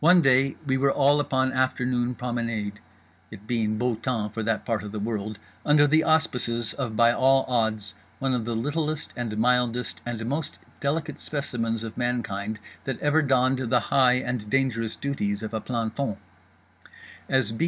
One day we were all upon afternoon promenade, (it being beau temps for that part of the world), under the auspices of by all odds one of the littlest and mildest and most delicate specimens of mankind that ever donned the high and dangerous duties of a planton. As B.